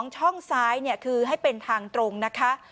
ช่องซ้ายคือให้เป็นทางตรงนะคะ